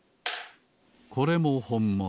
これもほんもの。